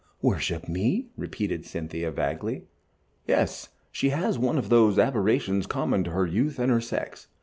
"Worship me?" repeated Cynthia, vaguely. "Yes, she has one of those aberrations common to her youth and her sex.